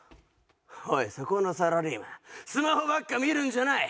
おいそこのサラリーマンスマホばっか見るんじゃない。